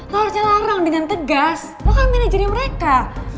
lo harusnya larang dengan tegas lo kan manajernya mereka